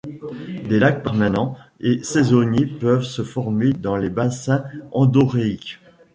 Des lacs permanents et saisonniers peuvent se former dans les bassins endoréiques.